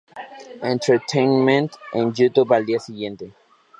Entertainment en Youtube al día siguiente.